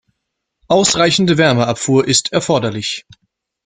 Ausreichende Wärmeabfuhr ist erforderlich.